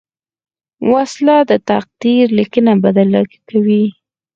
وسله د تقدیر لیکنه بدله کوي